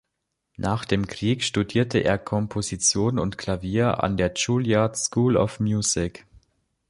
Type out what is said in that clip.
Nach dem Krieg studierte er Komposition und Klavier an der Juilliard School of Music.